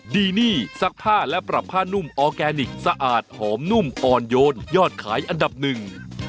ดีนี่ซักผ้าและปรับผ้านุ่มออร์แกนิคสะอาดหอมนุ่มอ่อนโยนยอดขายอันดับหนึ่ง